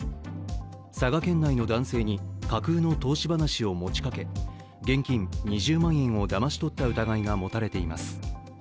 佐賀県内の男性に架空の投資話を持ちかけ現金２０万円をだまし取った疑いが持たれています。